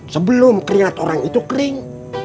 sebelum keringat orang itu kering